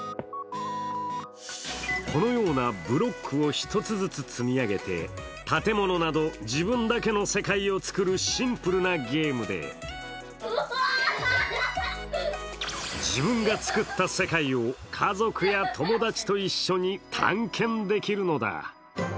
このようなブロックを１つずつ積み上げて、建物など、自分だけの世界を作るシンプルなゲームで自分が作った世界を家族や友達と一緒に探検できるのだ。